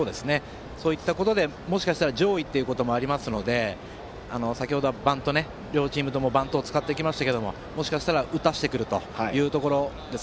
そういったことでもしかしたら上位ということもありますので先程は両チームともバントを使いましたがもしかしたら打たせてくるというところです。